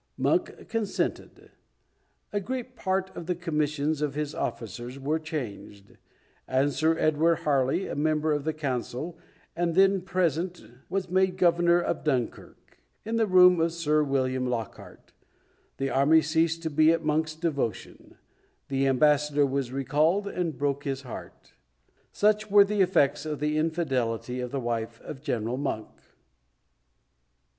Monk consented; a great part of the commissions of his officers were changed, and Sir Edward Harley, a member of the council, and then present was made governor of Dunkirk, in the room of Sir William Lockhart; the army ceased to be at Monk's devotion; the ambassador was recalled, and broke his heart." Such were the effects of the infidelity of the wife of General Monk!